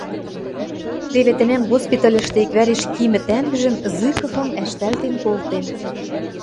Теве тӹнӓм госпитальышты иквӓреш кимӹ тӓнгжӹм, Зыковым, ӓштӓлтен колтен.